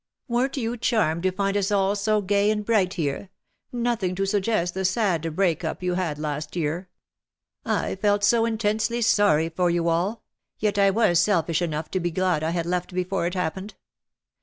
''Weren't you charmed to find us all so gay and bright here — nothing to suggest the sad break up 128 you had last year. I felt so intensely sorry for you all — yet I was selfish enough to be glad I had left before it happened.